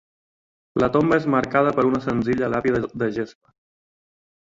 La tomba és marcada per una senzilla làpida de gespa.